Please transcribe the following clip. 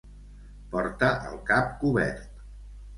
Porta el cap cobert.